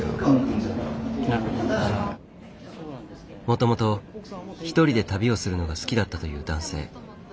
もともと一人で旅をするのが好きだったという男性。